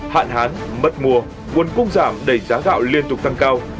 hạn hán mất mùa nguồn cung giảm đẩy giá gạo liên tục tăng cao